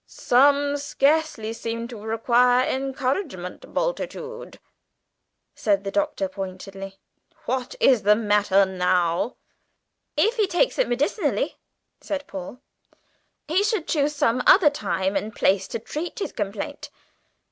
"Some scarcely seem to require encouragement, Bultitude," said the Doctor pointedly: "what is the matter now?" "If he takes it medicinally," said Paul, "he should choose some other time and place to treat his complaint.